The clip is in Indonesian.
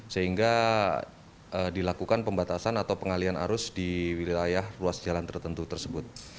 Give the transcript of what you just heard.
sehingga dilakukan pembatasan atau pengalian arus di wilayah ruas jalan tertentu tersebut